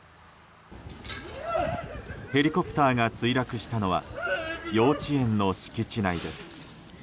ヘリコプターが墜落したのは幼稚園の敷地内です。